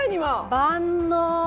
万能！